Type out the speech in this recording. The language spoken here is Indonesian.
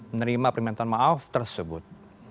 menerima permintaan maaf tersebut